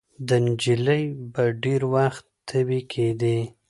د نجلۍ به ډېر وخت تبې کېدې.